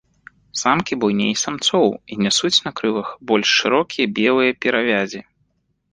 Самкі буйней самцоў і нясуць на крылах больш шырокія белыя перавязі.